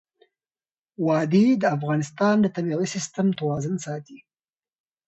وادي د افغانستان د طبعي سیسټم توازن ساتي.